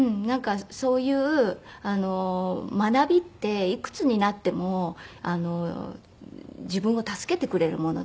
なんかそういう学びっていくつになっても自分を助けてくれるものだし。